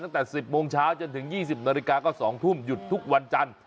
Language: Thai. ตั้งแต่๑๐โมงเช้าจนถึง๒๐นาฬิกาก็๒ทุ่มหยุดทุกวันจันทร์